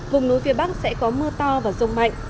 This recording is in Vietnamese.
vùng núi phía bắc sẽ có mưa to và rông mạnh